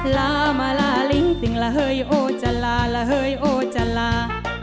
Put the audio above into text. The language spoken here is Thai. ลามาลาลิ้งติงละเฮ้ยโอจาลาละเฮ้ยโอจาลา